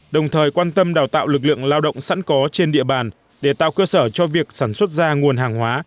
đồng thời quan tâm đào tạo lực lượng lao động sẵn có trên địa bàn để tạo cơ sở cho việc sản xuất ra nguồn hàng hóa